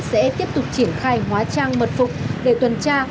sẽ tiếp tục triển khai hóa trang mật phục để tuần tra